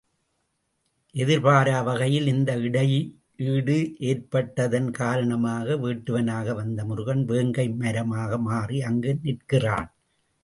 எதிர்பாரா வகையில் இந்த இடையீடு ஏற்பட்டதன் காரணமாக, வேட்டுவனாக வந்த முருகன் வேங்கை மரமாக மாறி அங்கு நிற்கிறான்.